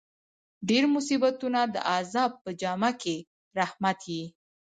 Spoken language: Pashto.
ډېر مصیبتونه د عذاب په جامه کښي رحمت يي.